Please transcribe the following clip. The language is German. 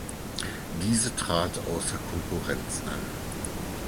Diese trat außer Konkurrenz an.